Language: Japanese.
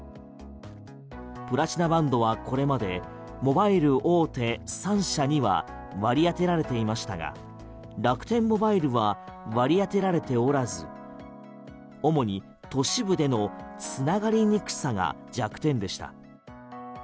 プラチナバンドはこれまでモバイル大手３社には割り当てられていましたが楽天モバイルは割り当てられておらず主に都市部での繋がりにくさが弱点でした。